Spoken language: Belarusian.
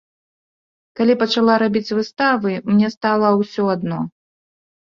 Калі пачала рабіць выставы, мне стала ўсё адно.